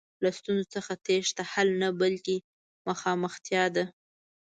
له ستونزو څخه تېښته حل نه، بلکې مخامختیا ده.